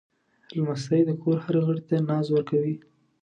لمسی د کور هر غړي ته ناز ورکوي.